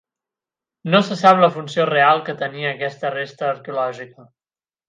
No se sap la funció real que tenia aquesta resta arqueològica.